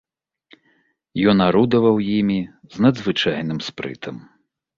Ён арудаваў імі з надзвычайным спрытам.